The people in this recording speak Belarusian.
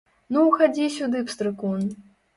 Ну, хадзі сюды, пстрыкун.